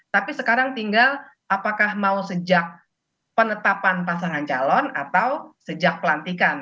tapi sekarang tinggal apakah mau sejak penetapan pasangan calon atau sejak pelantikan